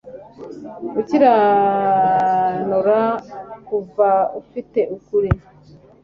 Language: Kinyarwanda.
gukiranura kuvuga ufite ukuri